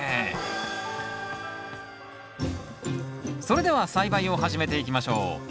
それでは栽培を始めていきましょう。